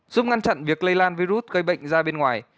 giúp ngăn chặn việc lây lan virus gây bệnh ra bên ngoài